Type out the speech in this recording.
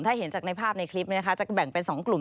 ถ้าเห็นจากในภาพในคลิปนี้นะคะจะแบ่งเป็น๒กลุ่ม